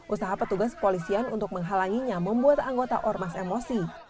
usaha petugas kepolisian untuk menghalanginya membuat anggota ormas emosi